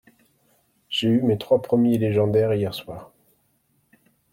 J'ai eu mes trois premiers légendaires, hier soir.